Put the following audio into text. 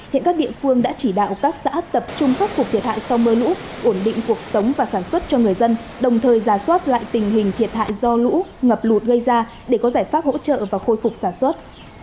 hiện các địa phương đã chỉ đạo các xã tập trung khắc phục thiệt hại sau mưa lũ ổn định cuộc sống và sản xuất cho người dân đồng thời giả soát lại tình hình thiệt hại do lũ ngập lụt gây ra để có giải pháp hỗ trợ và khôi phục sản xuất